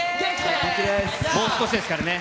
もう少しですからね。